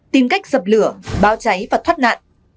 một tìm cách dập lửa bao cháy và thoát nạn